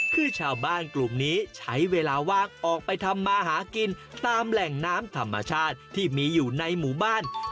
ก็ชาวบ้านกลุ่มนี้ใช้เวลาวากออกไปทำมาหากินน้ำที่มีอยู่ในหมู่บ้าน